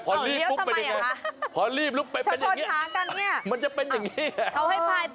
พอรีบลุกเป็นอย่างนี้พอรีบลุกเป็นอย่างนี้มันจะเป็นอย่างนี้แหละ